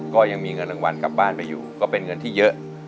ก็ยังมีเงินรางวัลกลับบ้านไปอยู่ก็เป็นเงินที่เยอะ